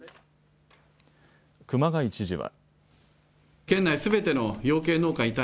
熊谷知事は。